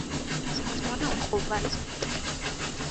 سازمان اخوت